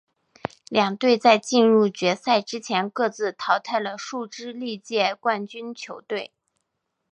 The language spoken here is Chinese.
两队在进入决赛之前各自淘汰了数支历届冠军球队。